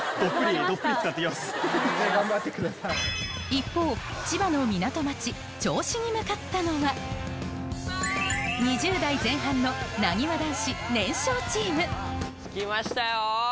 一方千葉の港町銚子に向かったのは２０代前半のなにわ男子年少チーム着きましたよ。